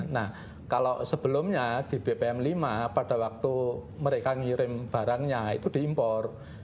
nah kalau sebelumnya di bpm lima pada waktu mereka ngirim barangnya itu diimpor